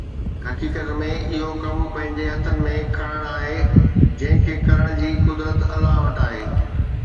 حقيقت ۾ اهو ڪم پنهنجي هٿن ۾ کڻڻ آهي، جنهن کي ڪرڻ جي قدرت الله وٽ آهي